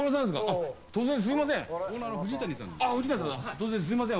突然、すみません。